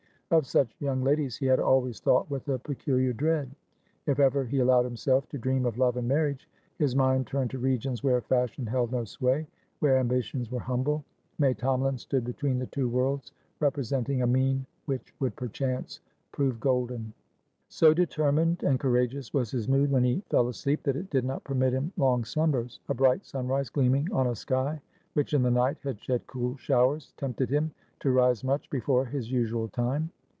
Of such young ladies he had always thought with a peculiar dread. If ever he allowed himself to dream of love and marriage, his mind turned to regions where fashion held no sway, where ambitions were humble. May Tomalin stood between the two worlds, representing a mean which would perchance prove golden. So determined and courageous was his mood when he fell asleep that it did not permit him long slumbers. A bright sunrise gleaming on a sky which in the night had shed cool showers tempted him to rise much before his usual time.